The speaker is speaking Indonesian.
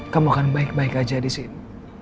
kamu akan baik baik aja di sini